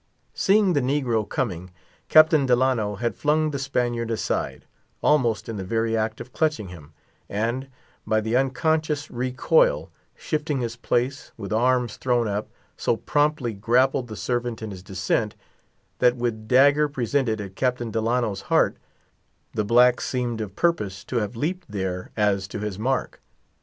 Seeing the negro coming, Captain Delano had flung the Spaniard aside, almost in the very act of clutching him, and, by the unconscious recoil, shifting his place, with arms thrown up, so promptly grappled the servant in his descent, that with dagger presented at Captain Delano's heart, the black seemed of purpose to have leaped there as to his mark.